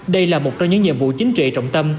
đây là một trong những nhiệm vụ chính trị trọng tâm